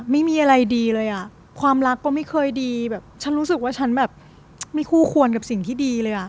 ไม่มีอะไรดีเลยอ่ะความรักก็ไม่เคยดีแบบฉันรู้สึกว่าฉันแบบไม่คู่ควรกับสิ่งที่ดีเลยอ่ะ